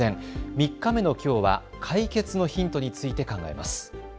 ３日目のきょうは解決のヒントについて考えます。